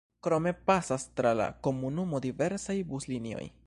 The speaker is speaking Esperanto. Krome pasas tra la komunumo diversaj buslinioj.